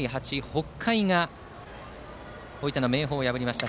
北海が大分の明豊を破りました。